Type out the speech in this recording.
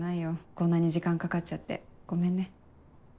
こんなに時間かかっちゃってごめんね。